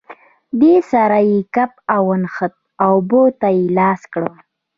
دې سره یې کپ ونښت، اوبو ته یې لاس کړ.